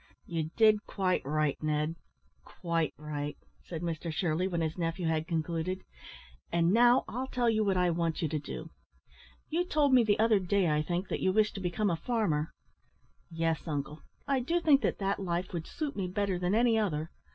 "You did quite right, Ned, quite right," said Mr Shirley, when his nephew had concluded; "and now I'll tell you what I want you to do. You told me the other day, I think, that you wished to become a farmer." "Yes, uncle. I do think that that life would suit me better than any other.